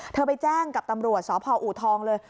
เธอไปแจ้งกับตำรวจสผออุทองเลย